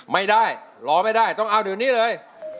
ไม่ได้รอไม่ได้ต้องเอาเดี๋ยวนี้เลย